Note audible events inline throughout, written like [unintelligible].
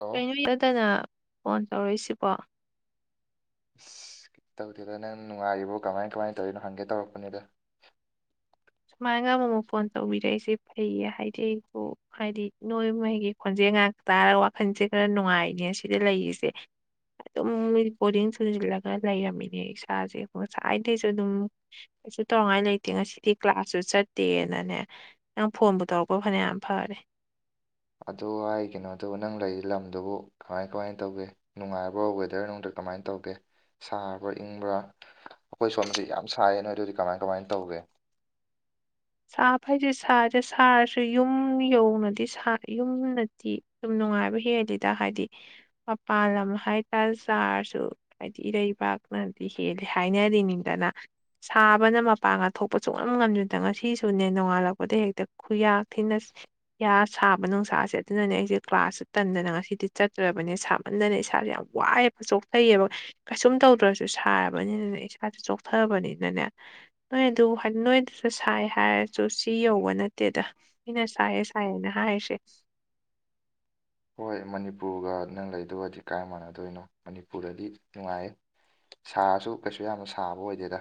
hello ꯀꯩꯅꯣꯗꯅ phone ꯇꯧꯔꯛꯏꯁꯤꯕꯣ [inaudible] ꯑꯁ ꯇꯧꯗꯦꯗ ꯅꯪ ꯅꯨꯡꯉꯥꯏꯔꯤꯕꯣ ꯀꯃꯥꯏ ꯀꯃꯥꯏꯅ ꯇꯧꯔꯤꯅꯣ ꯍꯪꯒꯦ ꯇꯧꯔꯛꯄꯅꯤꯗ ꯁꯨꯃꯥꯏꯅ ꯑꯃꯛ ꯑꯃꯨꯛ ꯐꯣꯟ ꯇꯧꯕꯤꯔꯛꯏꯁꯦ ꯐꯩꯌꯦ ꯍꯥꯏꯗꯤ ꯑꯩꯕꯨ ꯍꯥꯏꯗꯤ ꯅꯣꯏꯃꯒꯤ ꯈꯣꯟꯖꯦꯜ ꯉꯥꯏꯍꯛ ꯇꯥꯔꯒ ꯋꯥꯈꯜꯁꯦ ꯈꯔ ꯅꯨꯡꯉꯥꯏꯅꯦ ꯁꯤꯗ ꯂꯩꯔꯤꯁꯦ ꯑꯗꯨꯝ ꯕꯣꯔꯤꯡ ꯁꯨꯖꯤꯜꯂꯒ ꯂꯩꯔꯝꯃꯤꯅꯦ ꯏꯁꯥꯁꯦ ꯉꯁꯥꯏꯗꯩꯁꯨ ꯑꯗꯨꯝ ꯀꯩꯁꯨ ꯇꯧꯉꯥꯏ ꯂꯩꯇꯦ ꯉꯁꯤꯗꯤ ꯀ꯭ꯂꯥꯁꯁꯨ ꯆꯠꯇꯦꯅꯅꯦ ꯅꯪ ꯐꯣꯟꯕꯨ ꯇꯧꯔꯛꯄ ꯐꯅ ꯌꯥꯝ ꯐꯔꯦ ꯑꯗꯨꯍꯥꯏ ꯀꯩꯅꯣ ꯗꯨ ꯅꯪ ꯂꯩ ꯂꯝꯗꯨꯕꯨ ꯀꯃꯥꯏ ꯀꯃꯥꯏꯅ ꯇꯧꯒꯦ ꯅꯨꯡꯉꯥꯏꯕ꯭ꯔꯣ ꯋꯦꯗꯔ ꯅꯨꯡꯗꯔ ꯀꯃꯥꯏꯅ ꯇꯧꯒꯦ ꯁꯥꯕ꯭ꯔꯥ ꯏꯪꯕ꯭ꯔ ꯑꯩꯈꯣꯏ ꯁꯣꯝꯗꯗꯤ ꯌꯥꯝ ꯁꯥꯏꯌꯦ ꯅꯣꯏꯗꯗꯤ ꯀꯃꯥꯏ ꯀꯃꯥꯏꯅ ꯇꯧꯒꯦ ꯁꯥꯕꯕꯩꯗꯤ ꯁꯗꯔꯦ ꯁꯥꯔꯁꯨ ꯌꯨꯝ ꯌꯧꯅꯗꯤ ꯁꯥ ꯌꯨꯝꯅꯗꯤ ꯅꯨꯡꯉꯥꯏꯕ ꯍꯦꯜꯂꯤꯗ ꯍꯥꯏꯗꯤ ꯃꯄꯥꯟ ꯂꯝ ꯍꯥꯏꯇꯥꯔꯁꯨ ꯍꯥꯏꯗꯤ ꯏꯔꯩꯕꯥꯛ ꯗꯤ ꯍꯦꯜꯂꯤ ꯍꯥꯏꯅꯔꯤꯅꯤꯡꯗꯅ ꯁꯥꯕꯅ ꯃꯄꯥꯡꯒ ꯊꯣꯛꯄ ꯁꯨꯛꯉꯝ ꯉꯝꯗꯅ ꯉꯁꯤ ꯁꯨꯅꯦ ꯅꯣꯡꯉꯥꯜꯂꯛꯄꯗ ꯍꯦꯛꯇ ꯈꯨꯌꯥ ꯊꯤꯅ ꯁꯥꯕ ꯅꯨꯡꯁꯥꯁꯦ ꯑꯗꯨꯅꯅꯦ ꯑꯩꯁꯦ ꯀ꯭ꯂꯥꯁ ꯇꯟꯗꯅ ꯉꯁꯤꯗꯤ ꯆꯠꯇ꯭ꯔꯕꯅꯦ ꯁꯥꯃꯟꯗꯅ ꯏꯁꯥꯥꯁꯦ ꯌꯥꯝ ꯋꯥꯏꯑꯦꯕ ꯆꯣꯛꯊꯩꯢꯕ ꯀꯩꯁꯨꯝ ꯇꯧꯗ꯭ꯔꯁꯨ ꯁꯥꯔꯕꯅꯤꯅꯅꯦ ꯏꯁꯥꯥꯁꯦ ꯆꯣꯛꯊꯔꯕꯅꯤꯅꯅꯦ ꯅꯣꯏ ꯑꯗꯨ ꯍꯥꯏꯗꯤ ꯅꯣꯏ ꯑꯗꯨꯁꯨ ꯁꯥꯏ ꯍꯥꯏꯔꯁꯨ ꯁꯤ ꯌꯧꯕ ꯅꯠꯇꯦꯗ ꯑꯩꯅ ꯁꯥꯏꯌꯦ ꯁꯥꯏꯌꯦꯅ ꯍꯥꯏꯁꯦ [unintelligible] ꯍꯣꯏ ꯃꯅꯤꯄꯨꯔꯒ ꯅꯪ ꯂꯩꯗꯨꯒꯥꯗꯤ ꯀꯥꯏ ꯃꯥꯟꯅꯗꯣꯏꯅꯣ ꯃꯅꯤꯄꯨꯔꯗꯗꯤ ꯅꯨꯡꯉꯥꯏꯌꯦ ꯁꯥꯔꯁꯨ ꯀꯩꯁꯨ ꯌꯥꯝꯅ ꯁꯥꯕ ꯑꯣꯏꯗꯦꯗ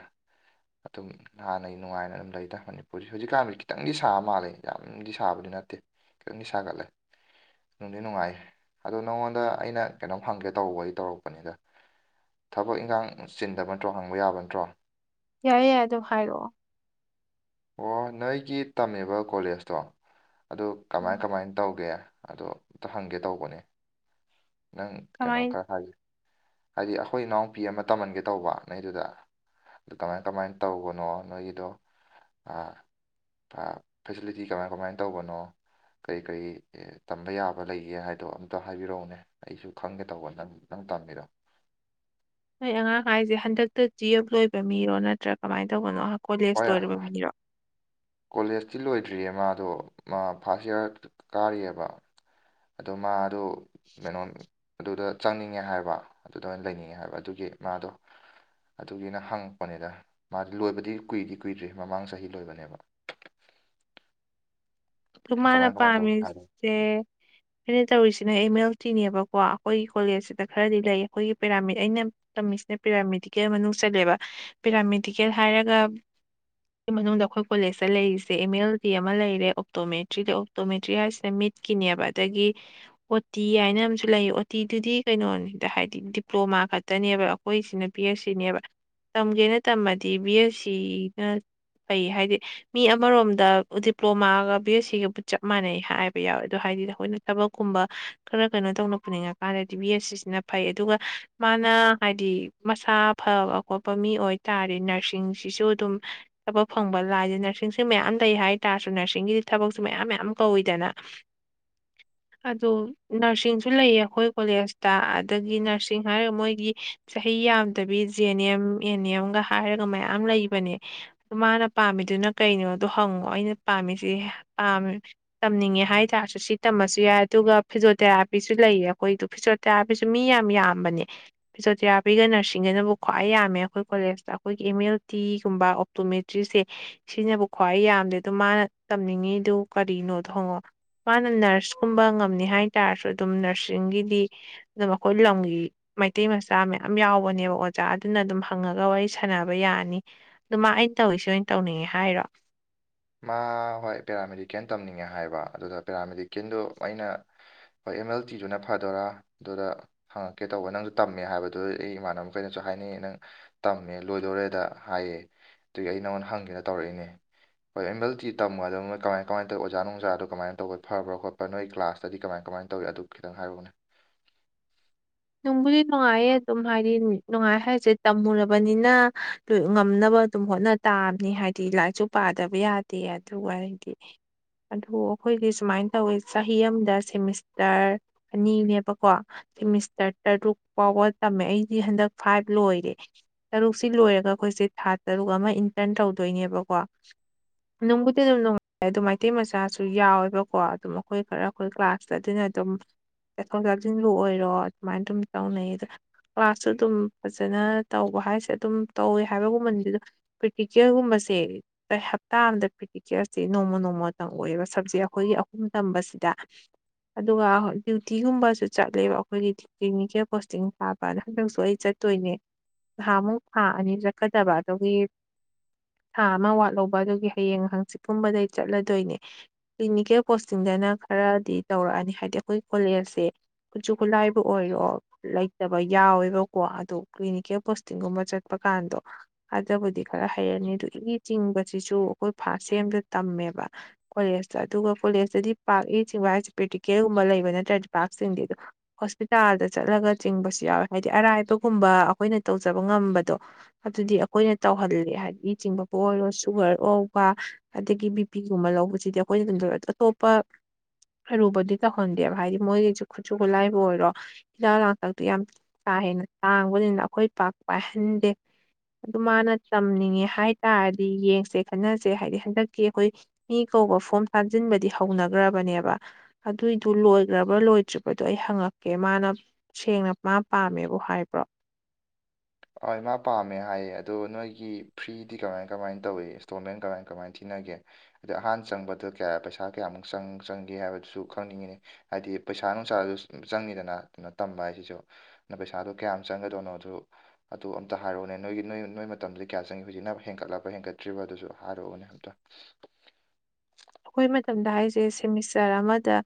ꯑꯗꯨꯝ ꯍꯥꯟꯅꯩ ꯅꯨꯡꯉꯥꯏꯅ ꯑꯗꯨꯝ ꯂꯩꯗ ꯃꯅꯤꯄꯨꯔꯁꯤ ꯍꯧꯖꯤꯛꯀꯥꯟꯗꯤ ꯈꯤꯇꯪꯗꯤ ꯁꯥꯕ ꯃꯥꯜꯂꯦ ꯌꯥꯝꯗꯤ ꯁꯥꯕꯗꯤ ꯌꯥꯝꯅꯗꯤ ꯅꯠꯇꯦ ꯈꯤꯇꯪ ꯁꯥꯒꯠꯂꯦ ꯅꯨꯡꯗꯤ ꯅꯨꯡꯉꯥꯏꯌꯦ ꯑꯗꯣ ꯅꯪꯉꯣꯟꯗ ꯑꯩꯅ ꯀꯩꯅꯣꯝ ꯍꯟꯒꯦ ꯇꯧꯕꯩ ꯇꯧꯔꯛꯄꯅꯤꯗ ꯊꯕꯛ ꯏꯪꯈꯥꯡ ꯆꯤꯟꯗꯕ ꯅꯠꯇ꯭ꯔꯣ ꯍꯪꯕ ꯌꯥꯕ ꯅꯠꯇ꯭ꯔꯣ ꯌꯥꯏ ꯌꯥꯏ ꯑꯗꯨ ꯍꯥꯏꯔꯛꯑꯣ ꯑꯣ ꯅꯣꯏꯒꯤ ꯇꯝꯃꯦꯕ ꯀꯣꯂꯦꯖꯇꯣ ꯑꯗꯨ ꯎꯝ ꯀꯃꯥꯏ ꯀꯃꯥꯏꯅ ꯇꯧꯒꯦ ꯑꯗꯣ ꯑꯝꯇ ꯍꯪꯒꯦ ꯇꯧꯕꯅꯦ ꯅꯪ ꯀꯩꯅꯣ ꯀꯃꯥꯏ ꯈꯔ ꯍꯥꯏꯔꯤ ꯍꯥꯏꯗꯤ ꯑꯩꯈꯣꯏ ꯏꯅꯥꯎꯄꯤ ꯑꯃ ꯇꯝꯍꯟꯒꯦ ꯇꯧꯕ ꯅ‌ꯣꯏꯗꯨꯗ ꯑꯗꯨ ꯀꯃꯥꯏ ꯀꯃꯥꯏꯅ ꯇꯧꯕꯅꯣ ꯅꯣꯏꯒꯤꯗꯣ ꯑ ꯑꯥ ꯐꯦꯁꯤꯂꯤꯇꯤ ꯀꯃꯥꯏ ꯀꯃꯥꯏꯅ ꯇꯧꯕꯅꯣ ꯀꯔꯤ ꯀꯔꯤ ꯇꯝꯕ ꯌꯥꯕ ꯂꯩꯒꯦ ꯍꯥꯏꯗꯣ ꯑꯝꯇ ꯍꯥꯏꯕꯤꯔꯛꯎꯅꯦ ꯑꯩꯁꯨ ꯈꯪꯒꯦ ꯇꯧꯕ ꯅꯪ ꯅꯪ ꯇꯝꯃꯤꯗ‌ꯣ ꯅꯣꯏ ꯑꯉꯥꯡ ꯍꯥꯏꯁꯦ ꯍꯟꯗꯛꯇ ꯇꯨꯌ‌ꯦꯜꯞ ꯂꯣꯏꯕ ꯃꯤꯔꯣ ꯅꯠꯇ꯭ꯔꯥ ꯀꯃꯥꯏꯅ ꯇꯧꯕꯅꯣ ꯀꯣꯂꯦꯖ ꯍꯣꯏ ꯂꯣꯏꯔꯕ ꯃꯤꯔꯣ ꯀꯣꯂꯦꯖꯇꯤ ꯂꯣꯏꯗ꯭ꯔꯤꯌꯦ ꯃꯥꯗꯣ ꯃꯥ ꯐꯥꯔꯁ ꯏꯌꯥꯔ ꯀꯥꯔꯤꯌ‌ꯦꯕ ꯑꯗꯨ ꯃꯥꯗꯣ ꯃ‌ꯦꯅ‌ꯣꯟ ꯑꯗꯨꯗ ꯆꯪꯅꯤꯡꯉꯦ ꯍꯥꯏꯕ ꯑꯗꯨꯗ ꯑꯣꯏꯅ ꯂꯩꯅꯤꯡꯉꯦ ꯍꯥꯏꯕ ꯑꯗꯨꯒꯤ ꯃꯥꯗꯣ ꯑꯗꯨꯒꯤꯅ ꯍꯪꯉꯛꯄꯅꯤꯗ ꯃꯥꯗꯤ ꯂꯣꯏꯕꯗꯤ ꯀꯨꯏꯗꯤ ꯀꯨꯏꯗ꯭ꯔꯤ ꯃꯃꯥꯡ ꯆꯍꯤ ꯂꯣꯏꯕꯅꯦꯕ [inaudible] ꯗꯨ ꯃꯥꯅ ꯀꯃꯥꯏ ꯀꯃꯥꯏ ꯇꯧꯅꯤ ꯄꯥꯝꯃꯤꯁꯦ ꯍꯥꯏꯕ ꯑꯩꯅ ꯇꯧꯔꯤꯁꯤꯅ ꯑꯦꯝ ꯑꯦꯜ ꯇꯤꯅꯦꯕꯀꯣ ꯑꯩꯈꯣꯏꯒꯤ ꯀꯣꯂꯦꯖꯁꯤꯗ ꯈꯔꯗꯤ ꯂꯩ ꯑꯩꯈꯣꯏꯒꯤ ꯄꯦꯔꯥꯃꯤꯠ ꯑꯩꯅ ꯇꯝꯃꯤꯁꯤꯅ ꯄꯦꯔꯥꯃꯦꯗꯤꯀꯦꯜ ꯃꯅꯨꯡ ꯆꯜꯂꯦꯕ ꯄꯦꯔꯥꯃꯦꯗꯤꯀꯦꯜ ꯍꯥꯏꯔꯒ ꯃꯅꯨꯡꯗ ꯑꯩꯈꯣꯏ ꯀꯣꯂꯦꯖꯇ ꯂꯩꯔꯤꯁꯦ ꯑꯦꯝ ꯑꯦꯜ ꯇꯤ ꯑꯃ ꯂꯩꯔꯦ ꯑꯣꯛꯇꯣꯃꯦꯇ꯭ꯔꯤ ꯑꯣꯛꯇꯣꯃꯦꯇ꯭ꯔꯤ ꯍꯥꯏꯁꯤꯅ ꯃꯤꯠꯀꯤꯅꯦꯕ ꯑꯗꯒꯤ ꯑꯣꯇꯤ ꯍꯥꯏꯅ ꯑꯃꯁꯨ ꯂꯩꯌꯦ ꯑꯣꯇꯤ ꯗꯨꯗꯤ ꯀꯩꯅꯣꯅꯤꯗ ꯍꯥꯏꯗꯤ ꯗꯤꯄ꯭ꯂꯣꯃꯥ ꯈꯛꯇꯅꯦꯕ ꯑꯩꯈꯣꯏꯁꯤꯅ ꯕꯤ ꯑꯦꯁ ꯁꯤꯅꯦꯕ ꯇꯝꯒꯦꯅ ꯇꯝꯃꯗꯤ ꯕꯤ ꯑꯦꯁ ꯁꯤꯅ ꯐꯩ ꯍꯥꯏꯗꯤ ꯃꯤ ꯑꯃꯔꯣꯝꯗ ꯗꯤꯄ꯭ꯂꯣꯃꯥꯒ ꯕꯤ ꯑꯦꯁ ꯁꯤꯒꯕꯨ ꯆꯞ ꯃꯥꯟꯅꯩ ꯍꯥꯏꯕ ꯌꯥꯎꯋꯦ ꯑꯗꯣ ꯍꯥꯏꯗꯤ ꯑꯩꯈꯣꯏꯅ ꯊꯕꯛꯀꯨꯝꯕ ꯈꯔ ꯀꯩꯅꯣ ꯇꯧꯅ ꯄꯨꯅꯤꯡꯉꯀꯥꯟꯗ ꯗꯤ ꯕꯤꯁ ꯑꯦꯁ ꯁꯤꯅ ꯐꯩ ꯑꯗꯨꯒ ꯃꯥꯅ ꯍꯥꯏꯗꯤ ꯃꯁꯥ ꯐꯕ ꯈꯣꯠꯄ ꯃꯤ ꯑꯣꯏꯇꯥꯔ ꯗꯤ ꯅꯔꯁꯤꯡꯁꯤꯁꯨ ꯑꯗꯨꯝ ꯊꯕꯛ ꯐꯪꯕ ꯂꯥꯏꯗꯅ ꯅꯔꯁꯤꯡꯁ‌ꯦ ꯃꯌꯥꯝ ꯂꯩ ꯍꯥꯏꯇꯥꯥꯔꯁꯨ ꯅꯔꯁꯤꯡꯒꯤꯗꯤ ꯊꯕꯛꯁꯨ ꯃꯌꯥꯝ ꯃꯌꯥꯝ ꯀꯧꯋꯤꯗꯅ [unintelligible] ꯑꯗ‌ꯣ ꯅꯔꯁꯤꯡꯁꯨ ꯂꯩꯌꯦ ꯑꯩꯈꯣꯏ ꯀꯣꯂꯦꯖꯇ ꯑꯗꯒꯤ ꯅꯔꯁꯤꯡ ꯍꯥꯏꯔꯒ ꯃꯣꯏꯒꯤ ꯆꯍꯤ ꯌꯥꯝꯗꯕꯤ ꯖꯦ ꯑꯦꯟ ꯑꯦꯝ ꯑꯦꯟ ꯑꯦꯝꯒ ꯍꯥꯏꯔꯒ ꯃꯌꯥꯝ ꯂꯩꯕꯅꯦ ꯑꯗꯨ ꯃꯥꯅ ꯄꯥꯝꯃꯤꯗꯨꯅ ꯀꯩꯅꯣꯗꯣ ꯍꯪꯉꯣ ꯑꯩꯅ ꯄꯥꯝꯃꯤꯁꯤ ꯥꯄꯥꯝꯃꯦ ꯇꯝꯅꯤꯡꯉꯦ ꯍꯥꯏꯇꯥꯥꯔꯁꯨ ꯁꯤ ꯇꯝꯃꯁꯨ ꯌꯥꯏ ꯑꯗꯨꯒ ꯐꯤꯖꯣꯊꯦꯔꯥꯄꯤꯁꯨ ꯂꯩꯌꯦ ꯑꯩꯈꯣꯏꯗ‌ꯣ ꯐꯤꯖꯣꯊꯦꯔꯥꯄꯤꯁꯨ ꯃꯤ ꯌꯥꯝ ꯌꯥꯝꯕꯅꯦ ꯐꯤꯖꯣꯊꯦꯔꯥꯄꯤꯒ ꯅꯔꯁꯤꯡꯒꯅꯕꯨ ꯈ꯭ꯋꯥꯏ ꯌꯥꯝꯃꯦ ꯑꯩꯈꯣꯏ ꯀꯣꯂꯦꯖꯇ ꯑꯩꯈꯣꯏꯒꯤ ꯑꯦꯝ ꯑꯦꯜ ꯇꯤꯒꯨꯝꯕ ꯑꯣꯞꯇꯣꯃꯦꯇ꯭ꯔꯤꯁꯦ ꯁꯤꯅꯕꯨ ꯈ꯭ꯋꯥꯏ ꯌꯥꯝꯗꯦ ꯑꯗ‌ꯣ ꯃꯥꯅ ꯇꯝꯅꯤꯡꯉꯤ ꯗꯨ ꯀꯔꯤꯅꯣꯗꯨ ꯍꯪꯉ‌ꯣ ꯃꯥꯅ ꯅꯔꯁꯀꯨꯝꯕ ꯉꯝꯅꯤ ꯍꯥꯏ ꯇꯥꯔꯁꯨ ꯑꯗꯨꯝ ꯅꯔꯁꯤꯡꯒꯤꯗꯤ ꯑꯗꯨ ꯑꯈꯣꯏ ꯂꯝꯒꯤ ꯃꯩꯇꯩ ꯃꯆꯥ ꯃꯌꯥꯝ ꯌꯥꯎꯕꯅꯦꯕ ꯑꯣꯖꯥ ꯑꯗꯨꯅ ꯑꯗꯨꯝ ꯍꯪꯉꯒ ꯋꯥꯔꯤ ꯁꯥꯟꯅꯕ ꯌꯥꯅꯤ ꯑꯗꯨꯃ ꯑꯩ ꯇꯧꯏꯁ‌ꯦ ꯑꯣꯏꯅ ꯇꯧꯅꯤꯡꯉꯦ ꯍꯥꯏꯔꯣ [unintelligible] ꯃꯥ ꯍꯣꯏ ꯄꯦꯔꯥꯃꯦꯗꯤꯀꯦꯜ ꯇꯝꯅꯤꯡꯉꯦ ꯍꯥꯏꯕ ꯑꯗꯨꯗ ꯄꯦꯔꯥꯃꯦꯗꯤꯀꯦꯜꯗꯨ ꯑꯩꯅ ꯑꯦꯝ ꯑꯦꯜ ꯇꯤ ꯗꯨꯅ ꯐꯗꯣꯏꯔꯥ ꯑꯗꯨꯗ ꯍꯪꯉꯛꯀꯦ ꯇꯧꯕ ꯅꯪꯁꯨ ꯇꯝꯃꯦ ꯍꯥꯏꯕꯗꯨ ꯑꯩ ꯏꯃꯥꯟꯅꯕ ꯈꯩꯅꯁꯨ ꯍꯥꯏꯅꯩ ꯅꯪ ꯇꯝꯃꯦ ꯂꯣꯏꯗꯣꯔꯦꯗ ꯍꯥꯏꯌꯦ ꯑꯗꯨꯒꯤ ꯑꯩ ꯅꯪꯉꯣꯟꯗ ꯍꯪꯒꯦꯅ ꯇꯧꯔꯛꯏꯅꯦ ꯍꯣꯏ ꯑꯦꯝ ꯑꯦꯜ ꯇꯤ ꯇꯝꯃ ꯑꯗꯨ ꯃꯣꯏ ꯀꯃꯥꯏ ꯀꯃꯥꯏ ꯇꯧꯏ ꯑꯣꯥꯖꯥ ꯅꯨꯡꯖꯥꯗ‌ꯣ ꯀꯃꯥꯏ ꯇꯧꯕ ꯐꯕꯔ ꯈꯣꯠꯄꯔ ꯅꯣꯏ ꯀ꯭ꯂꯥꯁꯇꯗꯤ ꯀꯃꯥꯏ ꯀꯃꯥꯏ ꯅ ꯇꯧꯋꯤ ꯑꯗꯨ ꯈꯤꯇꯪ ꯍꯥꯏꯔꯛꯎꯅꯦ ꯅꯨꯡꯕꯨꯗꯤ ꯅꯨꯡꯉꯥꯏꯌꯦ ꯑꯗꯨꯝ ꯍꯥꯏꯗꯤ ꯅꯨꯡꯉꯥꯏ ꯍꯥꯏꯁꯦ ꯇꯝꯃꯨꯔꯕꯅꯤꯅ ꯉꯝꯅꯕ ꯑꯗꯨꯝ ꯍꯣꯠꯅ ꯇꯥꯕꯅꯤ ꯍꯥꯏꯗꯤ ꯂꯥꯏꯔꯤꯛꯁꯨ ꯄꯥꯗꯕ ꯌꯥꯗꯦ ꯑꯗꯨꯒ ꯑꯩꯗꯤ ꯑꯗꯨ ꯑꯩꯈꯣꯏꯒꯤ ꯁꯨꯃꯥꯏꯅ ꯇꯧꯋꯦ ꯆꯍꯤ ꯑꯃꯗ ꯁꯦꯃꯤꯁꯇꯔ ꯑꯅꯤꯅꯦꯕꯀꯣ ꯁ‌ꯦꯃꯤꯁ ꯇꯔ ꯇꯔꯨꯛ ꯐꯥꯎꯕ ꯇꯝꯃꯦ ꯑꯩꯗꯤ ꯍꯟꯗꯛ ꯐꯥꯏꯚ ꯂꯣꯏꯔꯦ ꯇꯔꯨꯛꯁꯤ ꯂꯣꯏꯔꯒ ꯑꯩꯈꯣꯏꯁꯦ ꯊꯥ ꯇꯔꯨꯛ ꯑꯃ ꯏꯟꯇꯔꯟ ꯇꯧꯗꯣꯏꯅꯦꯕꯀꯣ ꯅꯨꯡꯕꯨꯗꯤ ꯑꯗꯨꯝ ꯅꯨꯡꯉꯥꯏ ꯑꯗꯨ ꯃꯩꯇꯩ ꯃꯆꯥꯁꯨ ꯌꯥꯎꯋꯦꯕꯀꯣ ꯑꯗꯨꯝ ꯑꯩꯈꯣꯏ ꯈꯔ ꯑꯩꯈꯣꯏ ꯀ꯭ꯂꯥꯁꯇ ꯑꯗꯨꯅ ꯑꯗꯨꯝ ꯇꯥꯊꯣꯛ ꯇꯁꯥꯟꯕꯨ ꯑꯣꯏꯔꯣ ꯑꯗꯨꯃꯥꯏꯅ ꯑꯗꯨꯝ ꯇꯧꯅꯩ ꯑꯗ ꯀ꯭ꯂꯥꯁꯁꯨ ꯑꯗꯨꯝ ꯐꯖꯅ ꯇꯧꯕ ꯍꯥꯏꯁꯦ ꯑꯗꯨꯝ ꯇꯧꯋꯦ ꯍꯥꯏꯕꯒꯨꯝꯕꯅꯤꯗ ꯄ꯭ꯔꯦꯛꯇꯤꯀꯦꯜꯒꯨꯝꯕ ꯁꯦ ꯍꯞꯇꯥ ꯑꯃꯗ ꯄ꯭ꯔꯦꯛꯇꯤꯀꯦꯜꯁꯦ ꯅꯣꯡꯃ ꯅꯣꯡꯃꯇꯪ ꯑꯣꯏꯑꯦꯕ ꯁꯕꯖꯦꯛ ꯑꯩꯈꯣꯏꯒꯤ ꯑꯍꯨꯝ ꯇꯝꯕꯁꯤ ꯑꯗꯨꯒ ꯗ꯭ꯌꯨꯇꯤꯒꯨꯝꯕꯁꯨ ꯆꯠꯂꯦꯕ ꯑꯩꯈꯣꯏꯒꯤ ꯀ꯭ꯂꯤꯅꯤꯀꯦꯜ ꯄꯣꯁꯇꯤꯡ ꯄꯥ ꯄꯥꯗ ꯍꯟꯗꯛꯁꯨ ꯑꯩ ꯆꯠꯇꯣꯏꯅꯦ ꯅꯍꯥꯟꯃꯨꯛ ꯊꯥ ꯑꯅꯤ ꯆꯠꯀꯗꯕ ꯑꯗꯨꯒꯤ ꯊꯥ ꯑꯃ ꯋꯥꯠꯍꯧꯕ ꯑꯗꯨꯒꯤ ꯍꯌꯦꯡ ꯍꯪꯆꯤꯠ ꯀꯨꯝꯕꯗꯩ ꯆꯠꯂꯗꯣꯏꯅꯦ ꯀ꯭ꯂꯤꯅꯤꯀꯦꯜ ꯄꯣꯁꯇꯤꯡꯗ ꯐꯖꯅ ꯈꯔꯗꯤ ꯇꯧꯔꯛꯑꯅꯤ ꯍꯥꯏꯗꯤ ꯑꯩꯈꯣꯏ ꯀꯣꯂꯦꯖꯁꯦ ꯈꯨꯠꯁꯨ ꯈꯨꯠꯂꯥꯏ ꯑꯣꯏꯔꯣ ꯂꯩꯇꯕ ꯌꯥꯎꯋꯦꯕꯀꯣ ꯑꯗꯨ ꯀ꯭ꯂꯤꯅꯤꯀꯦꯜ ꯄꯣꯁꯇꯤꯡꯒꯨꯝꯕ ꯆꯠꯄ ꯀꯥꯟꯗꯣ ꯑꯗꯨꯕꯨꯗꯤ ꯈꯔ ꯍꯩꯔꯅꯤ ꯑꯗꯨ ꯏ ꯆꯤꯡꯕꯁꯤꯁꯨ ꯑꯩꯈꯣꯏ ꯐꯥꯁ ꯁꯦꯝꯗ ꯇꯝꯃꯦꯕ ꯑꯗꯨꯒ ꯀꯣꯂꯦꯖꯇꯗꯤ ꯄꯥꯛ ꯢ ꯆꯤꯡꯕ ꯍꯥꯏꯁꯦ ꯄ꯭ꯔꯦꯛꯇꯤꯀꯦꯜꯒꯨꯝꯕ ꯂꯩꯕ ꯅꯠꯇ꯭ꯔꯗꯤ ꯄꯥꯛ ꯆꯤꯡꯗꯦ ꯍꯣꯁꯄꯤꯇꯥꯜꯗ ꯆꯠꯂꯒ ꯆꯤꯡꯕꯁꯨ ꯌꯥꯎꯋꯦ ꯍꯥꯏꯗꯤ ꯑꯔꯥꯏꯕꯒꯨꯝꯕ ꯑꯩꯈꯣꯏꯅ ꯇꯧꯖꯕ ꯉꯝꯕꯗꯣ ꯑꯗꯨꯗꯤ ꯑꯩꯈꯣꯏꯅ ꯇꯧꯍꯜꯂꯦ ꯍꯥꯏꯗꯤ ꯢ ꯆꯤꯡꯕꯕꯨ ꯑꯣꯏꯔꯣ ꯁꯨꯒꯔ ꯂꯧꯕ ꯑꯗꯒꯤ ꯕꯤ ꯄꯤꯒꯨꯝꯕ ꯂꯧꯕ ꯁꯤꯗꯤ ꯑꯩꯈꯣꯏꯅ ꯑꯇꯣꯞꯄ ꯑꯔꯨꯕꯗꯤ ꯇꯧꯍꯟꯗꯦꯕ ꯍꯥꯏꯗꯤ ꯃꯣꯏꯒꯤꯁꯨ ꯈꯨꯠꯁꯨ ꯈꯨꯠꯂꯥꯏ ꯂꯣꯏꯔꯣ ꯍꯤꯗꯥꯛ ꯂꯥꯡꯊꯛꯇꯨ ꯌꯥꯝ ꯀꯥ ꯍꯦꯟꯅ ꯇꯥꯡꯕꯅꯤꯅ ꯑꯩꯈꯣꯏ ꯄꯥꯛ ꯄꯥꯏꯍꯟꯗꯦ ꯑꯗꯨ ꯃꯥꯅ ꯇꯝꯅꯤꯡꯉꯦ ꯍꯥꯏꯇꯥꯥꯔꯗꯤ ꯌꯦꯡꯁꯦ ꯈꯟꯅꯁꯦ ꯍꯥꯏꯗꯤ ꯍꯟꯗꯛꯀꯤ ꯑꯩꯈꯣꯏ ꯃꯤ ꯑꯅꯧꯕ ꯐꯣꯝ ꯊꯥꯖꯤꯟꯕꯗꯤ ꯍꯧꯅꯈ꯭ꯔꯕꯅꯦꯕ ꯑꯗꯨꯏꯗꯨ ꯂꯣꯏꯈ꯭ꯔꯕ꯭ꯔꯥ ꯂꯣꯏꯗ꯭ꯔꯤꯕꯗꯨ ꯑꯩ ꯍꯪꯉꯛ ꯀꯦ ꯃꯥꯅ ꯁꯦꯡꯅ ꯃꯥ ꯄꯥꯝꯃꯦꯕꯨ ꯍꯥꯏꯕ꯭ꯔꯣ ꯍꯣꯏ ꯃꯥ ꯄꯥꯝꯃꯦ ꯍꯥꯏꯌꯦ ꯑꯗꯨ ꯅꯣꯏꯒꯤ ꯐ꯭ꯔꯤꯗꯤ ꯀꯃꯥꯏ ꯀꯃꯥꯏꯅ ꯇꯧꯏ ꯏꯟꯁꯇꯣꯜꯃꯦꯟ ꯀꯃꯥꯏ ꯀꯃꯥꯏꯅ ꯊꯤꯅꯩ [unintelligible] ꯑꯍꯥꯟ ꯆꯪꯕꯗ ꯀꯥꯌꯥ ꯄꯩꯁ ꯀꯌꯥꯃꯨꯛ ꯆꯪꯒꯦ ꯍꯥꯏꯕꯗꯨꯁꯨ ꯈꯪꯅꯤꯡꯉꯤꯅꯦ ꯍꯥꯏꯗꯤ ꯄꯩꯁꯥ ꯅꯨꯡꯁꯥꯁꯨ ꯆꯪꯉꯤꯗꯅ ꯀꯩꯅꯣ ꯇꯝꯕ ꯍꯥꯏꯁꯤꯁꯨ ꯑꯗꯨ ꯄꯩꯁꯥꯗꯨ ꯀꯌꯥꯝ ꯆꯪꯒꯗꯣꯏꯅꯣꯗꯨ ꯑꯗꯨ ꯑꯝꯇ ꯍꯥꯏꯔꯛꯎꯅꯦ ꯅꯣꯏꯒꯤ ꯅꯣꯏ ꯅꯣꯏ ꯃꯇꯝꯗ ꯀꯌꯥ ꯆꯪꯉꯤ ꯍꯧꯖꯤꯛꯅ ꯍꯦꯟꯒꯠꯂꯕ ꯍꯦꯟꯒꯠꯇ꯭ꯔꯤꯕ ꯑꯗꯨꯁꯨ ꯍꯥꯏꯔꯛꯎꯅꯦ ꯑꯝꯇ [unintelligible] ꯑꯩꯈꯣꯏ ꯃꯇꯝꯗ ꯍꯥꯏꯁꯦ ꯁꯦꯃꯤꯁꯇꯔ ꯑꯃꯗ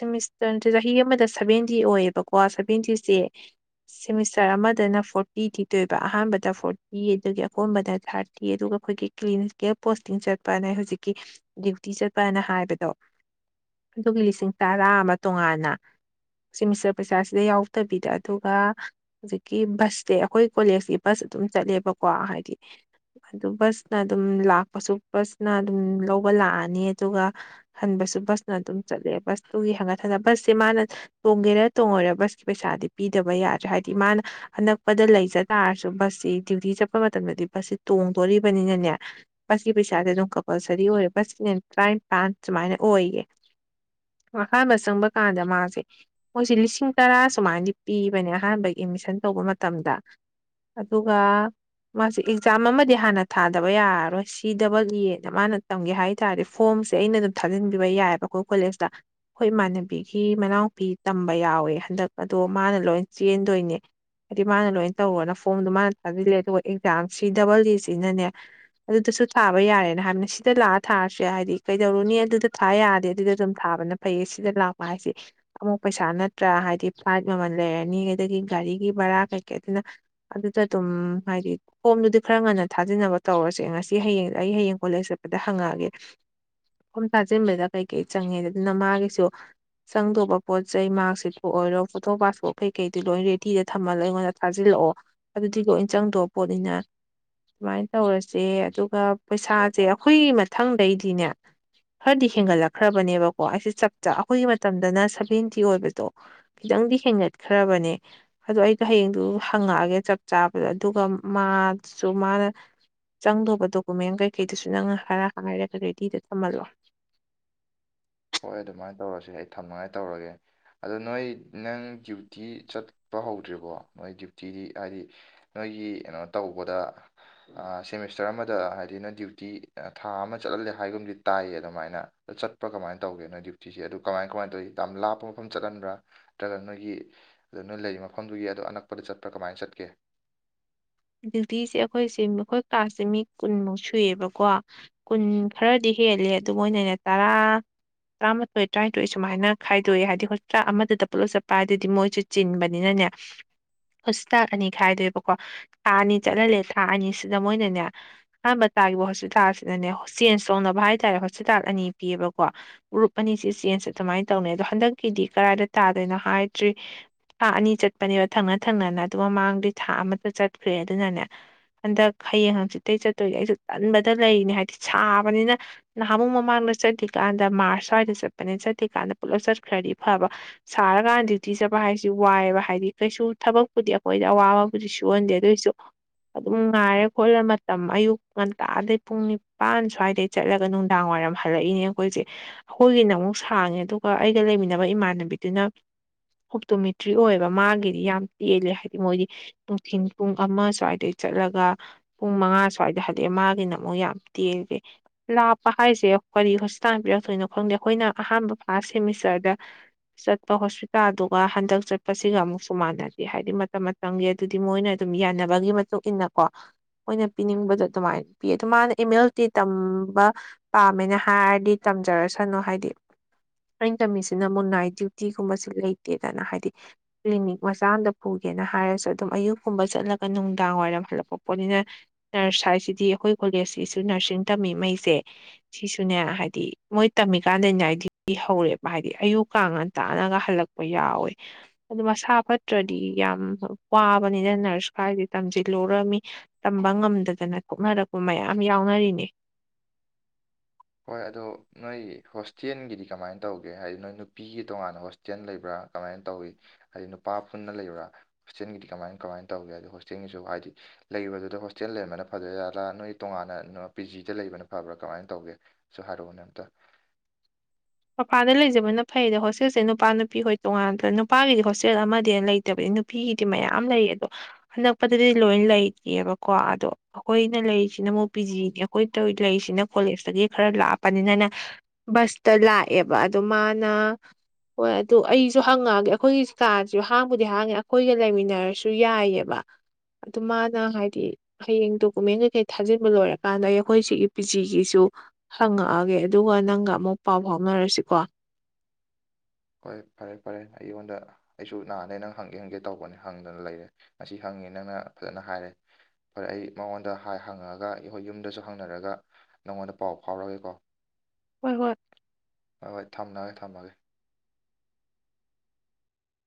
ꯁꯦꯃꯤꯁꯇꯔ ꯆꯍꯤ ꯑꯃꯗ ꯁꯚꯦꯟꯇꯤ ꯑꯣꯏꯌꯦꯕꯀꯣ ꯁꯚꯦꯟꯇꯤꯁꯦ ꯁꯦꯃꯤꯁꯇꯔ ꯑꯃꯗꯅ ꯐꯣꯔꯇꯤ ꯊꯤꯗꯣꯏꯕ ꯑꯍꯥꯟꯕꯗ ꯐꯣꯔꯇꯤ ꯑꯗꯨꯗꯒꯤ ꯑꯀꯣꯟꯕꯗ ꯊꯥꯔꯇꯤ ꯑꯗꯨꯒ ꯑꯩꯈꯣꯏꯒꯤ ꯀ꯭ꯂꯤꯅꯤꯀꯦꯜ ꯄꯣꯁꯇꯤꯡ ꯆꯠꯄꯅ ꯍꯧꯖꯤꯛꯀꯤ ꯗ꯭ꯌꯨꯇꯤ ꯆꯠꯄꯅ ꯍꯥꯏꯕꯗꯣ ꯑꯗꯨꯒꯤ ꯂꯤꯁꯤꯡ ꯇꯔꯥ ꯑꯃ ꯇꯣꯉꯥꯟꯅ ꯁꯦꯃꯤꯁꯇꯔ ꯄꯩꯁꯥꯁꯤꯗ ꯌꯥꯎꯗꯕꯤꯗ ꯑꯗꯨꯒ ꯍꯧꯖꯤꯛꯀꯤ ꯕꯁꯁꯦ ꯑꯩꯈꯣꯏ ꯀꯣꯂꯦꯖꯀꯤ ꯕꯁ ꯑꯗꯨꯝ ꯆꯠꯂꯦꯕꯀꯣ ꯍꯥꯏꯗꯤ ꯑꯗꯨ ꯕꯁꯅ ꯑꯗꯨꯝ ꯂꯥꯛꯄꯁꯨ ꯕꯁꯅ ꯑꯗꯨꯝ ꯂꯧꯕ ꯂꯥꯛꯑꯅꯤ ꯑꯗꯨꯒ ꯍꯟꯕꯁꯨ ꯕꯁꯅ ꯑꯗꯨꯝ ꯆꯠꯂꯦ ꯕꯁꯇꯨꯒꯤ ꯍꯟꯒꯠ ꯍꯟꯗ ꯕꯁꯁꯦ ꯃꯥ ꯃꯥꯅ ꯇꯣꯡꯒꯦꯔꯥ ꯇꯣꯡꯉꯣꯏꯔ ꯕꯁꯀꯤ ꯄꯩꯁꯥꯗꯤ ꯄꯤꯗꯕ ꯌꯥꯗ꯭ꯔꯦ ꯍꯥꯏꯗꯤ ꯃꯥꯅ ꯑꯅꯛꯄꯗ ꯂꯩꯖ ꯇꯥꯔ ꯔꯁꯨ ꯕꯁꯁꯤ ꯗ꯭ꯌꯨꯇꯤ ꯆꯠꯄ ꯃꯇꯝꯗꯗꯤ ꯕꯁꯁꯤ ꯇꯣꯡꯗꯣꯔꯤꯕꯅꯤꯅꯅꯦ ꯕꯁꯀꯤ ꯄꯩꯁꯥꯥꯁꯦ ꯑꯗꯨꯝ ꯀꯝꯄꯜꯁꯔꯤ ꯑꯣꯏꯔꯦ ꯕꯁ ꯀꯤꯅ ꯇꯔꯥꯅꯤꯄꯥꯟ ꯁꯨꯃꯥꯏꯅ ꯑꯣꯏꯌꯦ ꯑꯍꯥꯟꯕ ꯆꯪꯕ ꯀꯥꯟꯗ ꯃꯥꯁꯦ ꯃꯣꯏꯁꯦ ꯂꯤꯁꯤꯡ ꯇꯔꯥ ꯁꯨꯃꯥꯏꯗꯤ ꯄꯤꯕꯅꯦ ꯑꯍꯥꯟꯕꯒꯤ ꯑꯦꯃꯤꯁꯟ ꯇꯧꯕ ꯃꯇꯝꯗ ꯑꯗꯨꯒ ꯃꯥꯁꯤ ꯑꯦꯛꯖꯥꯝ ꯑꯃꯗꯤ ꯍꯥꯟꯅ ꯊꯥꯗꯕ ꯌꯥꯔꯔꯣꯏ ꯁꯤꯗꯕꯟꯑꯦ ꯃꯥꯅ ꯇꯝꯒꯦ ꯍꯥꯏ ꯇꯥꯔꯗꯤ ꯐꯣꯝꯁꯦ ꯑꯩꯅ ꯑꯗꯨꯝ ꯊꯥꯖꯤꯟꯕꯤꯕ ꯌꯥꯏꯑꯦꯕ ꯑꯩꯈꯣꯏ ꯀꯣꯂꯦꯖꯇ ꯑꯩꯈꯣꯏ ꯏꯃꯥꯟꯅꯕꯤꯒꯤ ꯃꯅꯥꯎꯄꯤ ꯇꯝꯕ ꯌꯥꯎꯋꯦ ꯍꯟꯗꯛ ꯑꯗꯣ ꯃꯥꯅ ꯂꯣꯏ ꯆꯦꯟꯗꯣꯏꯅꯦ ꯍꯥꯏꯗꯤ ꯃꯥꯅ ꯂꯣꯏ ꯇꯧꯔꯅ ꯐ꯭ꯔꯣꯝꯗꯣ ꯃꯥꯅ ꯊꯥꯖꯤꯜꯂꯦ ꯑꯗꯨꯒ ꯑꯦꯛꯖꯥꯝ ꯁꯤ ꯗꯕꯜ ꯑꯦ ꯁꯤꯅꯅꯦ ꯑꯗꯨ ꯁꯨ ꯊꯥꯕ ꯌꯥꯔꯦ ꯍꯥꯏꯕꯅ ꯁꯤꯗ ꯂꯥꯛꯑ ꯊꯥꯔꯁꯨꯦ ꯍꯥꯏꯗꯤ ꯀꯩꯗꯧꯔꯨꯅꯤ ꯑꯗꯨꯗ ꯊꯥ ꯌꯥꯔꯗꯤ ꯑꯗꯨꯗ ꯑꯗꯨꯝ ꯊꯥꯕꯅ ꯐꯩꯌꯦ ꯁꯤꯗ ꯂꯥꯛꯄ ꯍꯥꯏ ꯍꯥꯏꯗꯤ ꯑꯃꯨꯛ ꯄꯩꯁꯥ ꯅꯠꯇ꯭ꯔꯥ ꯍꯥꯏꯗꯤ ꯐ꯭ꯂꯥꯏꯠ ꯃꯃꯜ ꯂꯩꯔꯅꯤ ꯑꯗꯒꯤ ꯒꯥꯔꯤꯒꯤ ꯚꯔꯥ ꯀꯩꯀꯩ ꯑꯗꯨꯅ ꯑꯗꯨꯗ ꯑꯗꯨꯝ ꯍꯥꯏꯗꯤ ꯐꯣꯝꯗꯨꯗꯤ ꯈꯔ ꯉꯟꯅ ꯊꯥꯖꯟꯅꯕ ꯇꯧꯔꯁꯦ ꯉꯁꯤ ꯍꯌꯦꯡ ꯑꯩ ꯍꯌꯦꯡ ꯀꯣꯂꯦꯖ ꯆꯠꯄꯗ ꯍꯪꯉꯛꯑꯒꯦ ꯐꯣꯝ ꯊꯥꯖꯤꯟꯕꯗ ꯀꯩꯀꯩ ꯆꯪꯉꯦꯗꯨ ꯃꯥꯒꯤꯁꯨ ꯆꯪꯗꯧꯕ ꯄꯣꯠ ꯆꯩ ꯃꯥꯛ ꯁꯤꯠꯄꯨ ꯑꯣꯏꯔꯣ ꯐꯣꯇꯣ ꯄꯥꯁꯄꯣꯠ ꯀꯩꯀꯩꯗꯤ ꯂꯣꯏ ꯔꯦꯗꯤꯗ ꯊꯃꯍꯜꯂ ꯑꯩꯉꯣꯟꯗ ꯊꯥꯖꯤꯜ ꯂꯥꯛꯑꯣ ꯑꯗꯨꯗꯤ ꯂꯣꯏꯅ ꯆꯪꯗꯣ ꯄꯣꯠꯅꯤꯅ ꯁꯨꯃꯥꯏꯅ ꯇꯧꯔꯁꯦ ꯑꯗꯨꯒ ꯍꯣꯏ ꯄꯩꯁꯥꯁꯦ ꯑꯩꯈꯣꯏ ꯃꯊꯪꯗꯩꯗꯤꯅꯦ [inaudible] ꯈꯔꯗꯤ ꯍꯦꯟꯒꯠꯂꯛꯈ꯭ꯔꯕꯅꯦꯕꯀꯣ ꯑꯩꯁꯦ ꯆꯞ ꯆꯥ ꯑꯩꯈꯣꯏꯒꯤ ꯃꯇꯝꯗꯅ ꯁꯚꯦꯟꯇꯤ ꯑꯣꯏꯕꯗꯣ ꯈꯤꯇꯪꯗꯤ ꯍꯦꯡꯒꯠꯈ꯭ꯔꯕꯅꯦ ꯑꯗꯨꯗ ꯑꯩꯗꯣ ꯍꯌꯦꯡꯗꯨ ꯍꯪꯉꯛꯑꯒꯦ ꯆꯞ ꯆꯥꯕꯗ ꯑꯗꯨꯒ ꯃꯥ ꯁꯨ ꯃꯥꯅ ꯆꯪꯗꯧꯕ ꯗꯣꯀꯨꯃꯦꯟ ꯀꯩ ꯀꯩꯗꯨꯁꯨ ꯅꯪꯅ ꯈꯔ ꯍꯥꯏꯔꯒ ꯔꯦꯗꯤꯗ ꯊꯝꯍꯜꯂꯣ ꯍꯣꯏ ꯑꯗꯨꯃꯥꯏꯅ ꯇꯧꯔꯁ ꯑꯩ ꯊꯝꯅꯉꯥꯏ ꯇꯧꯔꯒꯦ ꯑꯗꯣ ꯅꯣꯏ ꯅꯪ ꯗ꯭ꯌꯨꯇꯤ ꯆꯠ ꯍꯧꯗ꯭ꯔꯤꯕꯀꯣ ꯅꯣꯏ ꯗ꯭ꯌꯨꯇꯤꯗꯤ ꯍꯥꯏꯗꯤ ꯅꯣꯏꯒꯤ ꯀꯩꯅꯣ ꯇꯧꯕꯗꯁ ꯆꯔ ꯑꯃꯗ ꯍꯥꯏꯗꯤ ꯅ ꯗ꯭ꯌꯨꯇꯤ ꯊꯥ ꯑꯃ ꯆꯠꯍꯜꯂꯦ ꯍꯥꯏꯒꯨꯝꯕꯗꯤ ꯇꯥꯏꯌꯦ ꯑꯗꯨꯃꯥꯏꯅ ꯑ ꯆꯄ꯭ꯔꯥ ꯀꯃꯥꯏꯅ ꯇ ꯇꯧꯒꯦ ꯅꯣꯏ ꯗ꯭ꯌꯨꯇꯤꯁꯦ ꯑꯗꯨ ꯀꯃꯥꯏ ꯀꯃꯥꯏꯅ ꯇꯧꯋ ꯌꯥꯝ ꯂꯥꯞꯄ ꯃꯐꯝ ꯆꯠꯍꯟꯕ꯭ꯔꯥ ꯅꯠꯇ꯭ꯔꯒ ꯅꯣꯏꯒꯤ ꯅꯣꯏ ꯂꯩ ꯃꯐꯝꯗꯨꯒꯤ ꯑꯗꯨ ꯑꯅꯛꯄꯗ ꯆꯠꯄ꯭ꯔꯥ ꯀꯃꯥꯏꯅ ꯆꯠꯀꯦ ꯗ꯭ꯌꯨꯇꯤꯁꯦ ꯑꯩꯈꯣꯏꯁꯦ ꯑꯩꯈꯣꯏ ꯀ꯭ꯂꯥꯁꯁꯦ ꯃꯤ ꯀꯨꯟꯃꯨꯛ ꯁꯨꯏꯌꯦꯕꯀꯣ ꯀꯨꯟ ꯈꯔꯗꯤ ꯍꯦꯜꯂꯦ ꯑꯗꯨ ꯃꯣꯏꯅꯅꯦ ꯇꯔꯥ ꯇꯔꯥꯃꯥꯊꯣꯏ ꯇꯔꯥꯅꯤꯊꯣꯏ ꯁꯨꯃꯥꯏꯅ ꯈꯥꯏꯗꯣꯛꯑꯦ ꯍꯥꯏꯗꯤ ꯍꯁꯄꯤꯇꯥꯥꯛ ꯑꯃꯗ ꯄꯨꯜꯂꯞ ꯆꯠꯄꯥꯏ ꯍꯥꯏꯗꯗꯤ ꯃꯣꯏꯁꯨ ꯆꯤꯟꯕꯅꯤꯅ ꯍꯁꯇꯥꯥꯛ ꯑꯅꯤ ꯈꯥꯏꯗꯣꯏꯕꯀꯣ ꯊꯥ ꯑꯅꯤ ꯆꯠꯍꯜꯂꯦ ꯊꯥ ꯑꯅꯤꯁꯤꯗ ꯃꯣꯏꯅꯅꯦ ꯑꯍꯥꯟꯕ ꯇꯥꯈꯤꯕ ꯍꯣꯁꯄꯤꯇꯥꯜꯁꯤꯗꯅꯦ ꯆꯦꯟꯖ ꯇꯧꯅꯕ ꯍꯥꯏꯇꯥꯔꯦ ꯍꯣꯁꯄꯤꯇꯥꯜ ꯑꯅꯤ ꯄꯤꯕꯀꯣ ꯒ꯭ꯔꯨꯞ ꯑꯅꯤꯁꯤ ꯆꯦꯟꯁ ꯑꯗꯨꯃꯥꯏ ꯇꯧꯅꯤ ꯑꯗꯣ ꯍꯟꯗꯛꯀꯤꯗꯤ ꯀ ꯊꯥꯗꯣꯏꯅꯣ ꯍꯥꯏꯗ꯭ꯔꯤ ꯊꯥ ꯑꯅꯤ ꯆꯠꯄꯅꯦꯕ ꯊꯪꯅ ꯊꯪꯅꯅ ꯑꯗꯨꯒ ꯃꯃꯥꯡꯗ ꯊꯥ ꯑꯃꯗ ꯆꯠ ꯈ꯭ꯔꯦ ꯑꯗꯨꯅꯅꯦ ꯍꯟꯗꯛ ꯍꯌꯦꯡ ꯍꯪꯆꯤꯠꯇꯩ ꯆꯠꯇꯣꯏꯒ ꯑꯩꯁꯨ ꯇꯟꯕꯗ ꯂꯩꯔꯤꯅꯤ ꯍꯥꯏꯕꯗꯤ ꯁꯥꯕꯅꯤꯅ ꯅꯍꯥꯃꯨꯛ ꯃꯃꯥꯡ ꯆꯠꯇ꯭ꯀꯥꯟꯗ ꯃꯥꯔꯁ ꯁ꯭ꯋꯥꯏꯗ ꯆꯠꯄꯅꯦꯅ ꯆꯠꯇꯦꯀꯥꯟꯗ ꯄꯨꯂꯞ ꯆꯠꯈ꯭ꯔꯗꯤ ꯐꯕ ꯁꯥꯔꯀꯥꯟ ꯗ꯭ꯌꯨꯇꯤ ꯆꯠꯄ ꯍꯥꯏꯁꯤ ꯋꯥꯏꯑꯦꯕ ꯍꯥꯏꯗꯤ ꯀꯩꯁꯨ ꯊꯕꯛꯄꯨꯗꯤ ꯑꯩꯈꯣꯏꯗ ꯑꯋꯥꯕꯕꯨꯗꯤ ꯁꯣꯛꯍꯟꯗꯦ ꯑꯗꯨꯑꯣꯏꯁꯨ ꯑꯗꯨꯝ ꯉꯥꯏꯔ ꯈꯣꯠꯂꯦ ꯃꯇꯝ ꯑꯌꯨꯛ ꯉꯟꯇꯥꯗꯩ ꯄꯨꯡ ꯅꯤꯄꯥꯟ ꯁ꯭ꯋꯥꯏꯗꯩ ꯆꯠꯂꯒ ꯅꯨꯡꯗꯥꯡ ꯋꯥꯏꯔꯝ ꯃꯔꯝ ꯍꯜꯂꯛꯏꯅꯦ ꯑꯩꯈꯣꯏꯁꯦ ꯑꯩꯈꯣꯏꯒꯤꯅ ꯑꯃꯨꯛ ꯁꯥꯡꯉꯦ ꯑꯗꯨꯒ ꯑꯩꯒ ꯂꯩꯃꯤꯟꯅꯕ ꯏꯃꯥꯟꯅꯕꯤꯗꯨꯅ ꯑꯣꯛꯇꯣꯃꯦꯇ꯭ꯔꯤ ꯑꯣꯏꯌꯦꯕ ꯃꯥꯒꯤꯗꯤ ꯌꯥꯝ ꯇꯦꯜꯂꯦ ꯍꯥꯏꯗꯤ ꯃꯣꯏꯗꯤ ꯅꯨꯡꯊꯤꯟ ꯄꯨꯡ ꯑꯃ ꯁ꯭ꯋꯥꯏꯗꯩ ꯆꯠꯂꯒ ꯄꯨꯡ ꯃꯉꯥ ꯁ꯭ꯋꯥꯏꯗ ꯍꯥꯏꯗꯤ ꯃꯥꯒꯤꯅ ꯑꯃꯨꯛ ꯌꯥꯝ ꯇꯦꯜꯁꯦ ꯂꯥꯞꯄ ꯍꯥꯏꯁꯦ ꯀꯔꯤ ꯍꯣꯁꯄꯤꯇꯥꯜ ꯄꯤꯔꯛꯇꯣꯏꯅꯣ ꯈꯪꯗꯦ ꯑꯩꯈꯣꯏꯅ ꯑꯍꯥꯟꯕ ꯐꯥꯔꯁ ꯁꯦꯃꯤꯁꯇꯔꯗ ꯆꯠꯄ ꯍꯣꯁꯄꯤꯇꯥꯜꯗꯨꯒ ꯍꯟꯗꯛ ꯆꯠꯄꯁꯤꯒ ꯑꯃꯨꯛꯁꯨ ꯃꯥꯟꯅꯁꯤ ꯍꯥꯏꯗꯤ ꯃꯇꯝ ꯃꯇꯝꯒꯤ ꯑꯗꯨꯗꯤ ꯃꯣꯏꯅ ꯑꯗꯨꯝ ꯌꯥꯅꯕꯒꯤ ꯃꯇꯨꯡ ꯏꯟꯅ ꯀꯣ ꯑꯣꯏꯅ ꯄꯤꯅꯤꯡꯕꯗꯣ ꯑꯗꯨꯃꯥꯏꯅ ꯄꯤ ꯑꯗꯨ ꯃꯥꯅ ꯏꯃꯦꯜꯇꯤ ꯇꯝꯕ ꯄꯥꯝꯃꯦꯅ ꯍꯥꯏꯔꯗꯤ ꯊꯝꯖꯔꯁꯅꯨ ꯍꯥꯏꯗꯤ ꯑꯩꯅ ꯇꯝꯃꯤꯁꯤꯅ ꯃꯨ ꯅꯥꯏꯠ ꯗ꯭ꯌꯨꯇꯤꯒꯨꯝꯕꯕꯁꯤ ꯂꯩꯇꯦꯗꯅ ꯍꯥꯏꯗꯤ ꯀ꯭ꯂꯤꯅꯤꯛ ꯃꯆꯥ ꯑꯃꯗ ꯄꯨꯈꯤ ꯀꯅ ꯍꯥꯏꯔꯁꯨ ꯑꯗꯨꯝ ꯑꯌꯨꯛ ꯀꯨꯝꯕ ꯆꯠꯂꯒ ꯅꯨꯡꯗꯥꯡ ꯋꯥꯏꯔꯝ ꯍꯜꯂꯛꯄ ꯄꯣꯠꯅꯤꯅ ꯅꯔꯁ ꯍꯥꯏꯁꯤꯗꯤ ꯑꯩꯈꯣꯏ ꯀꯣꯂꯦꯖꯁꯤꯁꯨ ꯅꯔꯁꯤꯡ ꯇꯝ ꯃꯩꯁꯦ ꯁꯤꯁꯨꯅꯦ ꯍꯥꯏꯗꯤ ꯃꯣꯏ ꯇꯝꯃꯤꯀꯥꯟꯗꯅꯦ ꯑꯩꯗꯤ ꯍꯧꯔꯦꯕ ꯍꯥꯏꯗꯤ ꯑꯌꯨꯛ ꯉꯟꯇꯥꯅꯒ ꯍꯜꯂꯛꯄ ꯌꯥꯎꯏ ꯑꯗ ꯃꯁꯥ ꯐꯠꯇꯔ꯭ꯗꯤ ꯌꯥꯝ ꯋꯥ ꯕꯅꯤꯅ ꯅꯔꯁ ꯈꯥꯏꯁꯦ ꯇꯝꯁꯤꯜꯂꯨꯔ ꯃꯤ ꯇꯝꯕ ꯉꯝꯗꯗꯅ ꯀꯣꯛꯅꯔꯛꯄ ꯃꯌꯥꯝ ꯌꯥꯎꯅꯔꯤꯅꯤ [inaudible] [inaudible] ꯍꯣꯏ ꯑꯗꯣ ꯅꯣꯏꯒꯤ ꯍꯣꯁꯇꯦꯟꯒꯤꯗꯤ ꯀꯃꯥꯏ ꯇꯧꯒꯦ ꯍꯥꯏꯗꯤ ꯅꯣꯏ ꯅꯨꯄꯤꯒꯤ ꯇꯣꯉꯥꯟꯅ ꯍꯣꯁꯇꯦꯟ ꯂꯩꯕ꯭ꯔꯥ ꯀꯃꯥꯏꯅ ꯇꯧꯋꯤ ꯍꯥꯏꯗꯤ ꯅꯨꯄꯥ ꯄꯨꯟꯅ ꯂꯩꯕ꯭ꯔꯥ ꯍꯣꯁꯇꯦꯟꯒꯤꯗꯤ ꯀꯃꯥꯏ ꯀꯃꯥꯏ ꯇꯧꯒꯦ ꯍꯥꯏꯗꯣ ꯍꯣꯁꯇꯦꯜꯒꯤꯁꯨ ꯍꯥꯏꯗꯤ ꯂꯩꯕꯗꯨꯗ ꯍꯣꯁꯇꯦꯜ ꯂꯩꯔꯝꯕꯅ ꯐꯗꯣꯏ ꯖꯥꯥꯠꯂ ꯅꯣꯏ ꯇꯣꯉꯥꯟꯅ ꯄꯤ ꯖꯤꯗ ꯂꯩꯕꯅ ꯐꯕ꯭ꯔꯥ ꯀꯃꯥꯏꯅ ꯇꯧꯒꯦ ꯁꯨꯍꯏꯔꯛ ꯑꯣꯅꯦ ꯑꯝꯇ ꯃꯄꯥꯥꯟꯗ ꯂꯩꯖꯕꯅ ꯐꯩꯗ ꯍꯣꯁꯇꯦꯜꯁꯦ ꯅꯨꯄꯥ ꯅꯨꯄꯤ ꯍꯣꯏ ꯇꯣꯉꯥꯟꯗ ꯅꯨꯄꯥꯒꯤꯗꯤ ꯍꯣꯁꯇꯦꯜ ꯑꯃꯗꯩꯩ ꯍꯦꯟ ꯂꯩꯇꯕ ꯅꯨꯄꯤꯒꯤꯗꯤ ꯃꯌꯥꯝ ꯂꯩ ꯑꯗꯣ ꯑꯅꯛꯄꯗꯗꯤ ꯂꯣꯏꯅ ꯂꯩꯇꯦꯕꯀꯣ ꯑꯗꯣ ꯑꯩꯈꯣꯏꯅ ꯂꯩ ꯁꯤꯅ ꯑꯃꯨꯛ ꯄꯤ ꯖꯤ ꯑꯩꯈꯣꯏ ꯇ ꯂꯩꯁꯤꯅ ꯀꯣꯂꯦꯖꯇꯒꯤ ꯈꯔ ꯂꯥꯞꯄꯅꯤꯅꯅ ꯕꯁꯇ ꯂꯥꯛ ꯑꯕ ꯑꯗꯣ ꯃꯥꯅ ꯍꯣꯏ ꯑꯗꯨ ꯑꯩꯁꯨ ꯍꯪꯉꯛꯑꯒꯦ ꯑꯩꯈꯣꯏꯁꯤ ꯀꯥꯁꯨ ꯍꯥꯡꯕꯨꯗꯤ ꯍꯥꯡꯉꯦ ꯑꯩꯈꯣꯏꯒ ꯂꯩꯃꯤꯟꯅꯔꯁꯨ ꯌꯥꯏꯌꯦꯕ ꯑꯗꯨ ꯃꯥꯅ ꯍꯥꯏꯗꯤ ꯍꯌꯦꯡ ꯗꯣꯀꯨꯃꯦꯟ ꯀꯩꯀꯩ ꯊꯥꯖꯤꯟꯕ ꯂꯣꯏꯔꯀꯥꯟꯗ ꯑꯩꯈꯣꯏ ꯁꯤꯒꯤ ꯄꯤ ꯖꯤꯒꯤꯁꯨ ꯍꯪꯉꯛꯑꯒꯦ ꯑꯗꯨꯒ ꯅꯪꯒ ꯑꯃꯨꯛ ꯄꯥꯎ ꯐꯥꯎꯅꯔꯁꯤꯀꯣ ꯍꯣꯏ ꯐꯔꯦ ꯐꯔꯦ ꯑꯩꯉꯣꯟꯗ ꯑꯩꯁꯨ ꯅꯍꯥꯟꯗꯩ ꯅꯪ ꯍꯪꯒꯦ ꯍꯪꯒꯦ ꯇꯧꯕꯅꯦ ꯍꯪꯗꯅ ꯂꯩꯔꯦ ꯉꯁꯤ ꯍꯪ ꯅꯪꯅ ꯐꯖꯅ ꯍꯥꯏꯔꯦ ꯐꯔꯦ ꯑꯩ ꯃꯉꯣꯟꯗ ꯍꯥꯏ ꯍꯪꯉꯒ ꯑꯩ ꯍꯣꯏ ꯌꯨꯝꯗꯁꯨ ꯍꯪꯅꯔꯒ ꯅꯪꯉꯣꯟꯗ ꯄꯥꯎ ꯐꯥꯎꯔꯛꯑꯒꯦꯀꯣ ꯍꯣꯏ ꯍꯣꯏ ꯊꯝꯅꯒꯦ ꯊꯝꯃꯒꯦ